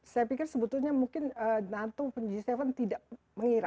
saya pikir sebetulnya mungkin nato dan g tujuh tidak mengira